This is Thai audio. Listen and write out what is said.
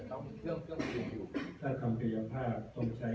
ขอบคุณครับ